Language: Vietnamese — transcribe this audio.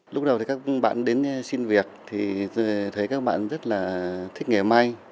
lúc đầu thì các bạn đến xin việc thì thấy các bạn rất là thích nghề may